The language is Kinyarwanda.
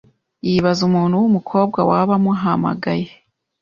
Yibaza umuntu w’umukobwa waba amuhamagaye